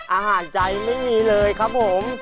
อาหารใจไม่มีเลยครับผม